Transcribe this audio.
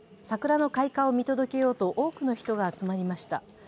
桜の開花を見届けようと多くの人が集まりました。